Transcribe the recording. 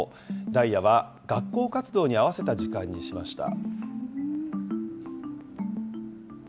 ダイヤは学校活動に合わせた時間にしました。